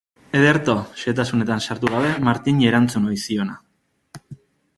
Ederto, xehetasunetan sartu gabe, Martini erantzun ohi ziona.